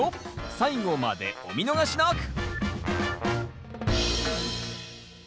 最後までお見逃しなく！